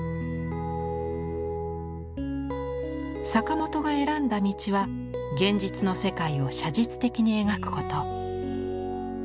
坂本が選んだ道は現実の世界を写実的に描くこと。